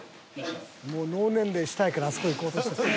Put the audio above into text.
［もう脳年齢したいからあそこ行こうとしてる］